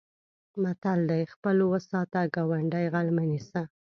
متل دی: خپل و ساته ګاونډی غل مه نیسه.